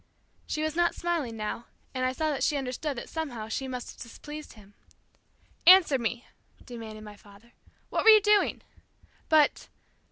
She was not smiling now, and I saw that she understood that somehow she must have displeased him. "Answer me," demanded my father. "What were you doing?" "But